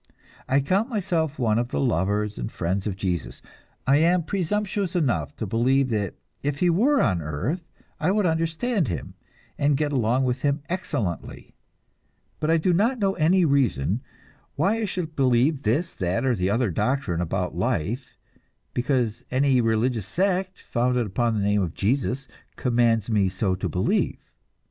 I count myself one of the lovers and friends of Jesus, I am presumptuous enough to believe that if he were on earth, I would understand him and get along with him excellently; but I do not know any reason why I should believe this, that, or the other doctrine about life because any religious sect, founded upon the name of Jesus, commands me so to believe.